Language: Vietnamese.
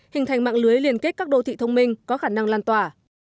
hình thành mạng lưới liên kết các đô thị thông minh có khả năng lan tỏa